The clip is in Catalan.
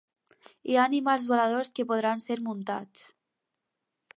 Hi ha animals voladors que podran ser muntats.